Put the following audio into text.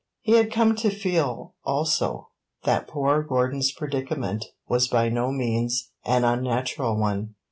He had come to feel, also, that poor Gordon's predicament was by no means an unnatural one.